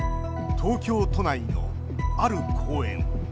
東京都内の、ある公園。